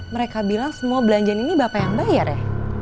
mereka bilang semua belanjaan ini bapak yang bayar ya